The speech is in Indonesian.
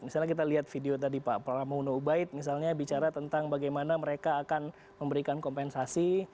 misalnya kita lihat video tadi pak pramono ubaid misalnya bicara tentang bagaimana mereka akan memberikan kompensasi